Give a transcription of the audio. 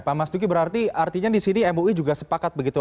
pak mas duki berarti artinya di sini mui juga sepakat begitu